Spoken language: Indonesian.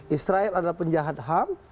israel adalah penjahat ham